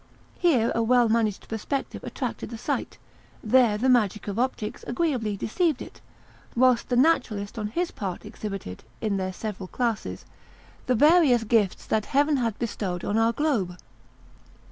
Here a well managed perspective attracted the sight; there the magic of optics agreeably deceived it; whilst the naturalist on his part exhibited, in their several classes, the various gifts that Heaven had bestowed on our globe.